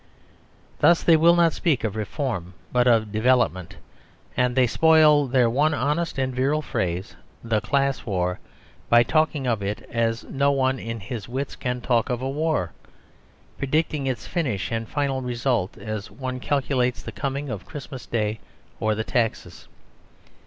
Thus they will not speak of reform, but of development; and they spoil their one honest and virile phrase, "the class war," by talking of it as no one in his wits can talk of a war, predicting its finish and final result as one calculates the coming of Christmas Day or the taxes.